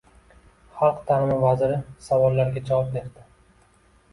Xalq ta’limi vaziri savollarga javob berdi